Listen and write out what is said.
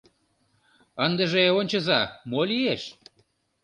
Ындыже ончыза, мо лиеш?